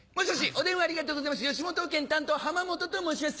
お電話ありがとうございます吉本保険担当浜本と申します。